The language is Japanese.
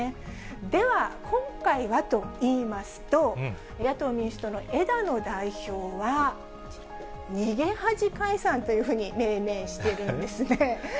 では、今回はといいますと、野党・民主党の枝野代表は、逃げ恥解散というふうに命名してるんですね。